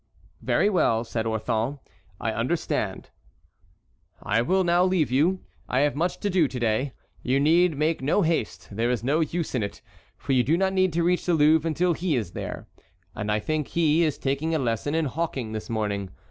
"Very well," said Orthon, "I understand." "I will now leave you. I have much to do to day. You need make no haste—there is no use in it, for you do not need to reach the Louvre until he is there, and I think he is taking a lesson in hawking this morning.